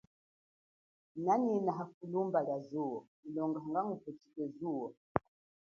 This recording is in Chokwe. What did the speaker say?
Nanyina hafulumba lia zuwo hanga ngupuchike zuwo.